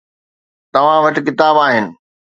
توهان وٽ ڪتاب آهن.